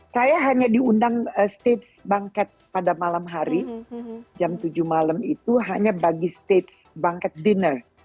saya hanya diundang stage bangket pada malam hari jam tujuh malam itu hanya bagi stage bangket dinner